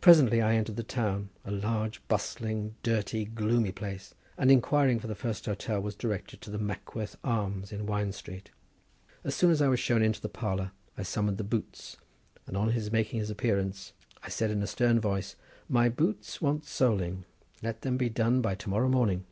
Presently I entered the town, a large, bustling, dirty, gloomy place, and inquiring for the first hotel was directed to the "Mackworth Arms," in Wine Street. As soon as I was shown into the parlour I summoned the "boots," and on his making his appearance I said in a stern voice: "My boots want soling; let them be done by to morrow morning."